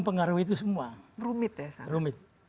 pengaruh itu semua rumit ya rumit